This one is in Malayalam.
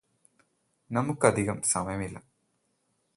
നമുക്കധികം സമയമില്ല